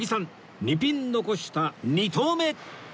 ２ピン残した２投目